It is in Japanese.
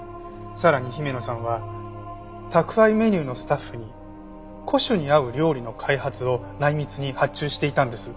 さらに姫野さんは宅配メニューのスタッフに古酒に合う料理の開発を内密に発注していたんです。